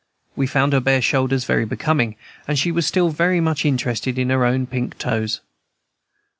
We found her bare shoulders very becoming, and she was very much interested in her own little pink toes.